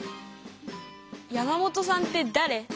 「山本さんってだれ？」。